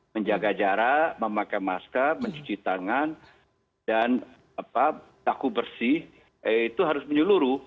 menjaga jarak memakai masker mencuci tangan dan taku bersih itu harus menyeluruh